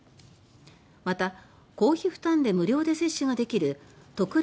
また、公費負担で無料で接種ができる特例